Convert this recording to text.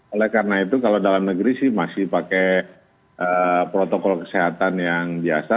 oleh karena itu kalau dalam negeri sih masih pakai protokol kesehatan yang biasa